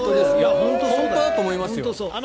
本当だと思いますよ。